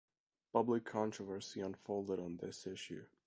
Public controversy unfolded on this issue.